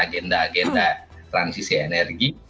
genda genda transisi energi